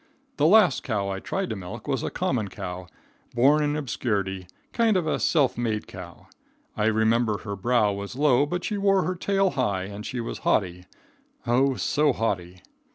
The last cow I tried to milk was a common cow, born in obscurity; kind of a self made cow. I remember her brow was low, but she wore her tail high and she was haughty, oh, so haughty.